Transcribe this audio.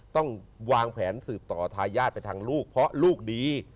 ต้องวางแผนสืบต่อทายาทไปทางลูกเพราะลูกดี